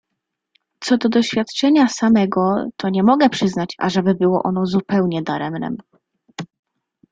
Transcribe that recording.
"Co do doświadczenia samego, to nie mogę przyznać, ażeby ono było zupełnie daremnem."